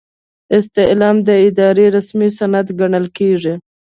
استعلام د ادارې رسمي سند ګڼل کیږي.